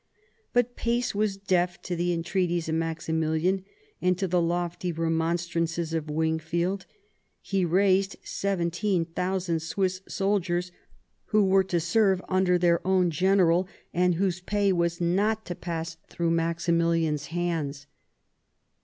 But Pace was deaf to the entreaties of Maximilian and to the lofty remonstrances of Wingfield. He raised 17,000 Swiss soldiers, who were to serve under their own general, and whose pay was not to pass through Maxi 42 THOMAS WOLSEY chap. milian's hands.